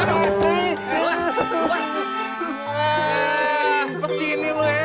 lupa di sini lu ya